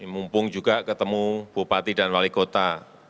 mumpung juga ketemu bupati dan wali kota